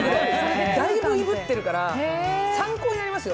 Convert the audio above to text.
だいぶいぶっているから参考になりますよ。